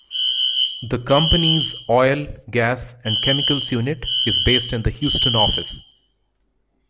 The company's Oil, Gas and Chemicals unit is based in the Houston office.